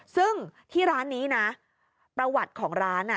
ซึ่งที่ร้านนี้นะประวัติของร้านอ่ะ